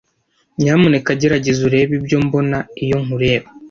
Nyamuneka gerageza urebe ibyo mbona iyo nkureba.